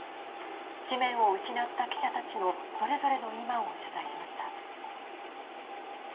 紙面を失った記者たちのそれぞれの今を取材しました。